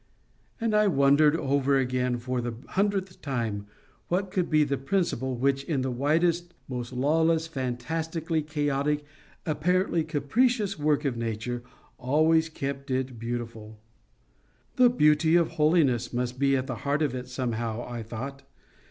And I wondered over again for the hundredth time what could be the principle which, in the wildest, most lawless, fantastically chaotic, apparently capricious work of nature, always kept it beautiful. The beauty of holiness must be at the heart of it somehow, I thought.